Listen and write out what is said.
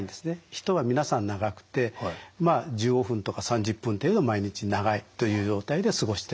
人は皆さん長くてまあ１５分とか３０分程度毎日長いという状態で過ごしてるわけですね。